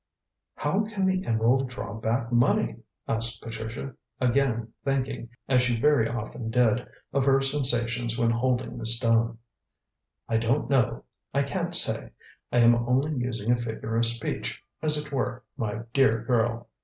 "How can the emerald draw back money?" asked Patricia, again thinking, as she very often did, of her sensations when holding the stone. "I don't know; I can't say. I am only using a figure of speech, as it were, my dear girl.